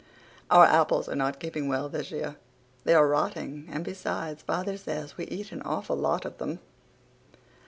Our apples are not keeping well this year. They are rotting; and besides father says we eat an awful lot of them.